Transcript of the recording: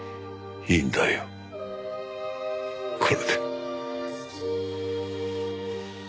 いいんだよこれで。